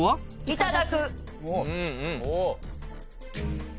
いただく。